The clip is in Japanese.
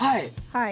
はい。